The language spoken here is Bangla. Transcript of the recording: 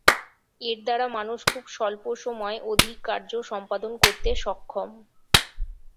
এর দ্বারা মানুষ খুব স্বল্প সময়ে অধিক কার্য সম্পাদন করতে সক্ষম।